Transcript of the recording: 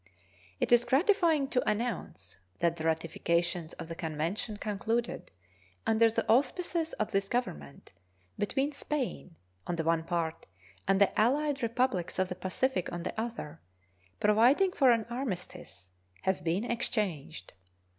It is gratifying to announce that the ratifications of the convention concluded under the auspices of this Government between Spain on the one part and the allied Republics of the Pacific on the other, providing for an armistice, have been exchanged.